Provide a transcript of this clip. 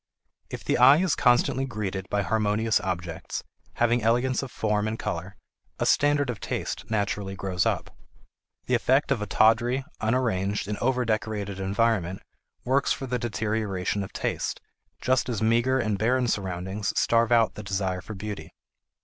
If the eye is constantly greeted by harmonious objects, having elegance of form and color, a standard of taste naturally grows up. The effect of a tawdry, unarranged, and over decorated environment works for the deterioration of taste, just as meager and barren surroundings starve out the desire for beauty.